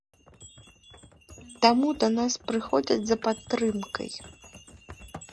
Таму да нас прыходзяць за падтрымкай.